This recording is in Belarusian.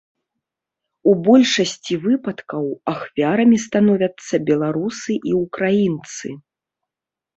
У большасці выпадкаў ахвярамі становяцца беларусы і ўкраінцы.